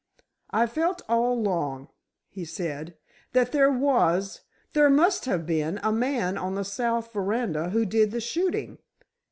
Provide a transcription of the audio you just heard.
"I felt all along," he said, "that there was—there must have been a man on the south veranda who did the shooting.